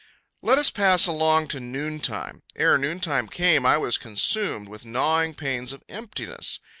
Let us pass along to noontime. Ere noontime came I was consumed with gnawing pains of emptiness.